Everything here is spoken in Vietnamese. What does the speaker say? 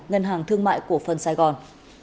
ngân hàng thương mại của phần sài gòn